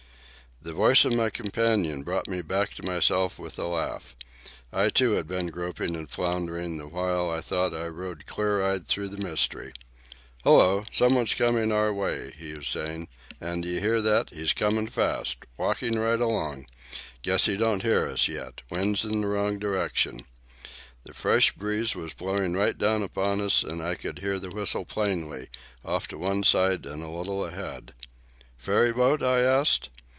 The voice of my companion brought me back to myself with a laugh. I too had been groping and floundering, the while I thought I rode clear eyed through the mystery. "Hello! somebody comin' our way," he was saying. "And d'ye hear that? He's comin' fast. Walking right along. Guess he don't hear us yet. Wind's in wrong direction." The fresh breeze was blowing right down upon us, and I could hear the whistle plainly, off to one side and a little ahead. "Ferry boat?" I asked.